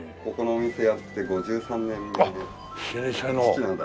ここのお店やって５３年目です。